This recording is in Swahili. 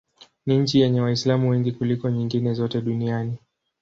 Ni nchi yenye Waislamu wengi kuliko nyingine zote duniani.